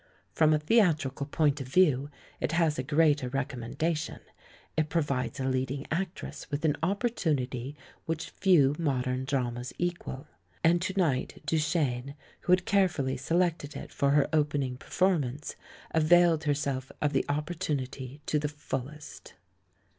From a theatrical point of view it has a greater recom mendation: it provides a leading actress with an opportunity which few modern dramas equal. And to night Duchene, who had carefully select ed it for her opening performance, availed her self of the opportunity to the fullest.